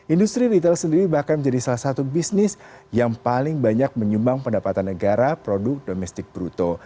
industri retail sendiri bahkan menjadi salah satu bisnis yang paling banyak menyumbang pendapatan negara produk domestik bruto